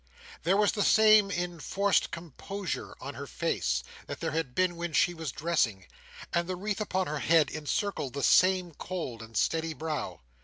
There was the same enforced composure on her face, that there had been when she was dressing; and the wreath upon her head encircled the same cold and steady brow.